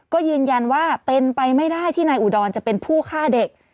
ก็ยืนยันว่าเป็นไปไม่ได้ที่นายอุดรจะเป็นผู้ฆ่าเด็ก